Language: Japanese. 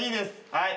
はい。